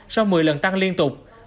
sau một mươi lần tăng liên tục